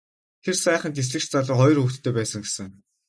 Тэр сайхан дэслэгч залуу хоёр хүүхэдтэй байсан гэсэн.